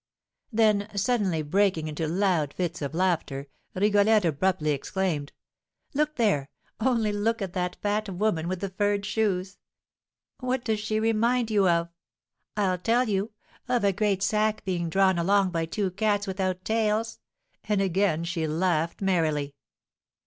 Then, suddenly breaking into loud fits of laughter, Rigolette abruptly exclaimed, "Look there, only look at that fat woman with the furred shoes! What does she remind you of? I'll tell you, of a great sack being drawn along by two cats without tails!" and again she laughed merrily.